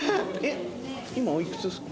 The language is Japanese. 今おいくつですか？